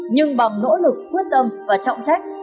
nhưng bằng nỗ lực quyết tâm và trọng trách